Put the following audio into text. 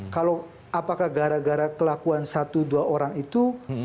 kalau apakah gara gara kelakuan satu dua orang itu